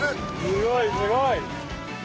すごいすごい。